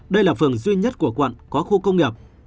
đây là phường duy nhất của quận có khu công nghiệp